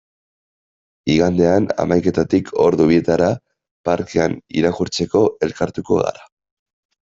Igandean, hamaiketatik ordu bietara, parkean irakurtzeko elkartuko gara.